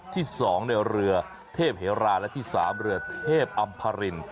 ที่๒ในเรือเทพเหราและที่๓เรือเทพอำพาริน